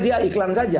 dia iklan saja